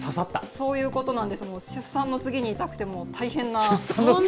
そういうことなんです、出産の次に痛くて大変な。